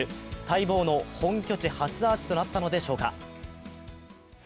待望の本拠地初アーチとなったのでしょうか。